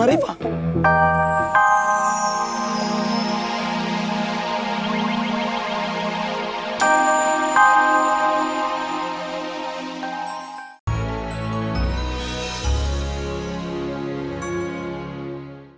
kori kadang mereka di betul langit